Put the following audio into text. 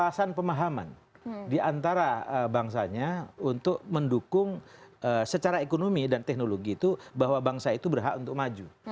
ada keselarasan pemahaman di antara bangsanya untuk mendukung secara ekonomi dan teknologi itu bahwa bangsa itu berhak untuk maju